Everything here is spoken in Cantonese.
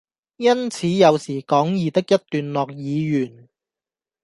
因此有時講義的一段落已完，